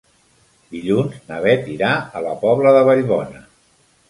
Dilluns na Beth irà a la Pobla de Vallbona.